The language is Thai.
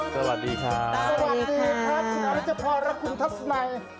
สวัสดีครับสวัสดีครับคุณอรัชพรและคุณทัศนัย